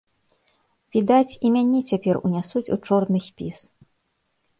Відаць, і мяне цяпер унясуць у чорны спіс.